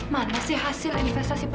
mana sih hasil investasi pak